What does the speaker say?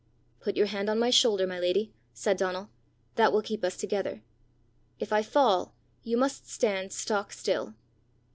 "Put your hand on my shoulder, my lady," said Donal. "That will keep us together. If I fall, you must stand stock still."